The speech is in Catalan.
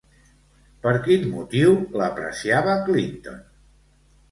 Per quin motiu l'apreciava Clinton?